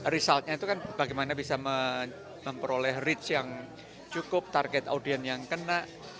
resultnya itu kan bagaimana bisa memperoleh rich yang cukup target audien yang kena